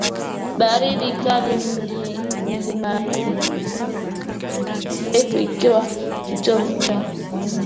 baridi kali mlimaniIraq ni nchi yenye historia ndefu ilikuwa kitovu cha